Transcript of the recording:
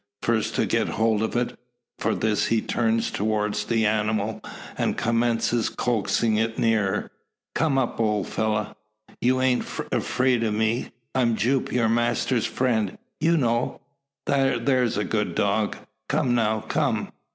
First to get hold of it. For this he turns towards the animal, and commences coaxing it nearer. "Come up, ole fella. You aint afeerd o' me. I'm Jupe, your master's friend, ye know. There's a good dog! Come now; come!"